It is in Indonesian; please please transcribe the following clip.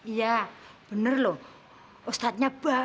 iya bener loh ustadznya ba